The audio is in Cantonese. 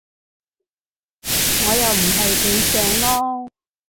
我又唔係幾想囉